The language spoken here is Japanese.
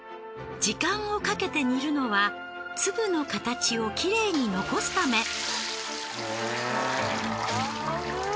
時間をかけて煮るのは粒の形をきれいに残すため。